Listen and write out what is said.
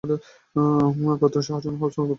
প্রাক্তন শাহজাহান হাউস, বর্তমান নজরুল হাউস।